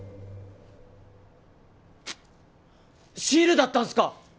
シールだったんすか！